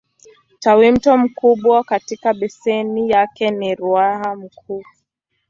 Tawimto mkubwa katika beseni yake ni Ruaha Mkuu.